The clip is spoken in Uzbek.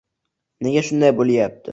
Nega shunday bo`lyapti